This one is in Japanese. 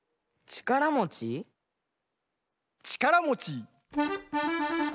「ちからもちちからもち」